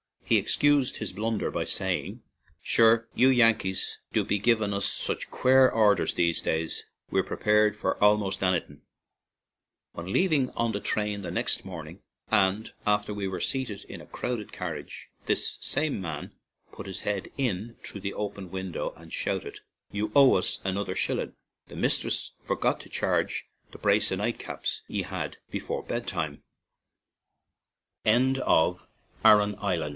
He excused his blunder by saying :" Shure, you Yankees do be givin us sich quare orders these days, we're prepared for almost anny thin'." When leaving on the train the next 115 ON AN IRISH JAUNTING CAR morning and after we were seated in a crowded carriage, this same man put his head in through the open window and shouted: "You owe us another shillin'; the misthress forgot to charge the brace of 'nightcaps' ye had before bedtime/' LIMERICK THE important pa